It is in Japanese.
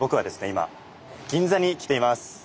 今銀座に来ています。